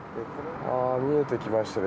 見えてきましたね